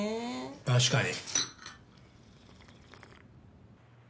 確かに。